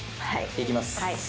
いきます。